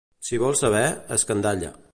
Si vols saber, escandalla.